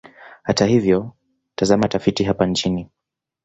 Hata hivyo, tazama tafiti hapa chini.